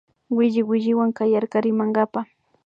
Williwilliwan kayarka rimankapa